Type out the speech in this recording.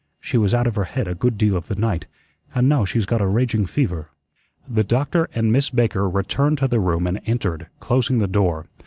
She was out of her head a good deal of the night, and now she's got a raging fever." The doctor and Miss Baker returned to the room and entered, closing the door.